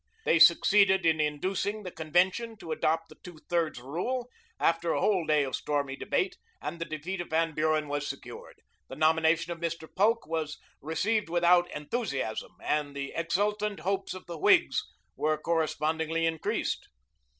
They succeeded in inducing the convention to adopt the two thirds rule, after a whole day of stormy debate, and the defeat of Van Buren was secured. The nomination of Mr. Polk was received without enthusiasm, and the exultant hopes of the Whigs were correspondingly increased.